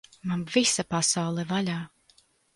Man visa pasaule vaļā!